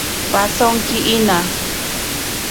Pasonki ina.